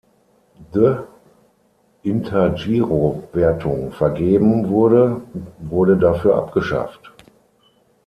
De Intergiro-Wertung vergeben wurde, wurde dafür abgeschafft.